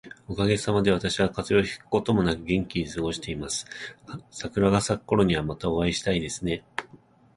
おかげさまで、私は風邪をひくこともなく元気に過ごしています。桜が咲くころには、またお会いしたいですね。